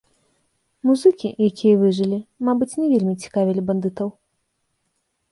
Музыкі, якія выжылі, мабыць, не вельмі цікавілі бандытаў.